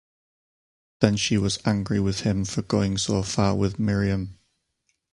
Then she was angry with him for going so far with Miriam.